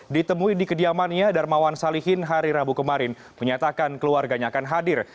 ditemui di kediamannya darmawan salihin hari rabu kemarin menyatakan keluarganya akan hadir